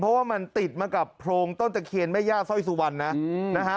เพราะว่ามันติดมากับโพรงต้นตะเคียนแม่ย่าสร้อยสุวรรณนะนะฮะ